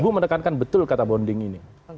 maka kan betul kata bonding ini